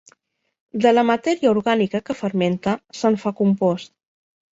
De la matèria orgànica que fermenta, se'n fa compost.